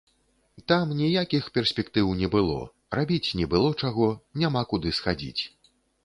Там ніякіх перспектыў не было, рабіць не было чаго, няма куды схадзіць.